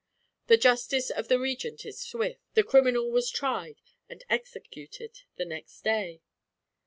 The justice of the Regent is swift; the criminal was tried and executed the next day."